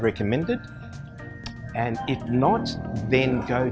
kalau alamanya berbeda bisa dipastikan itu dia ilegal